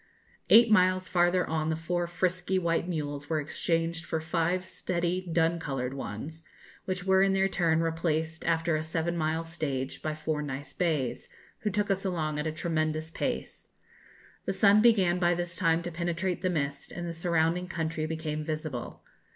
Eight miles farther on the four frisky white mules were exchanged for five steady dun coloured ones, which were in their turn replaced after a seven mile stage by four nice bays, who took us along at a tremendous pace. The sun began by this time to penetrate the mist, and the surrounding country became visible.